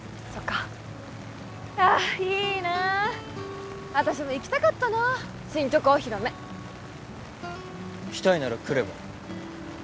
かああいいな私も行きたかったな新曲お披露目来たいなら来れば？